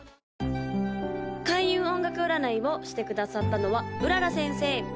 ・開運音楽占いをしてくださったのは麗先生